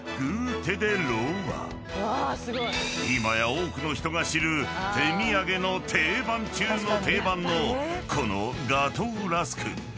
［今や多くの人が知る手土産の定番中の定番のこのガトーラスク］